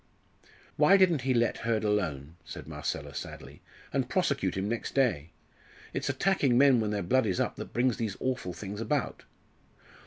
"Why didn't he let Hurd alone," said Marcella, sadly, "and prosecute him next day? It's attacking men when their blood is up that brings these awful hings about."